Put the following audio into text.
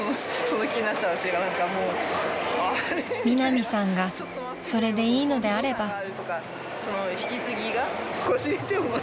［ミナミさんがそれでいいのであれば］